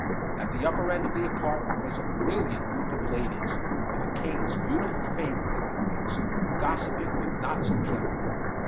At the upper end of the apartment was a brilliant group of ladies, with the king's beautiful favorite in their midst, gossiping with knots of gentlemen.